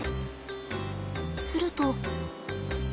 すると。